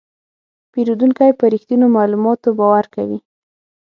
پیرودونکی په رښتینو معلوماتو باور کوي.